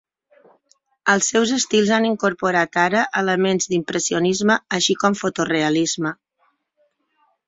Els seus estils han incorporat ara elements d'impressionisme així com fotorealisme.